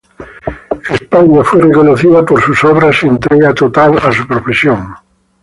España fue reconocida por sus obras y entrega total a su profesión.